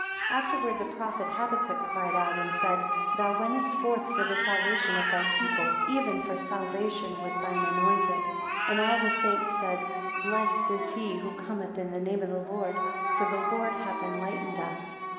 16 Afterwards, the prophet Habbakuk cried out, and said, Thou wentest forth for the salvation of thy people, even for salvation with thine anointed. 17 And all the saints said, Blessed is he who cometh in the name of the Lord; for the Lord hath enlightened us.